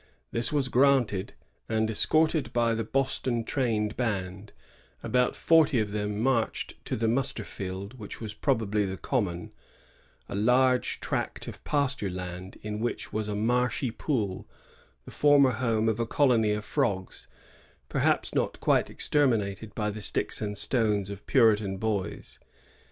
This was granted; and, escorted by the Boston trained band, about forty of them marched to the muster field, which was probably the Common, — a large tract of pasture land in which was a marshy pool, the former home of a colony of frogs, perhaps not quite exterminated by the sticks and stones of Puritan boys.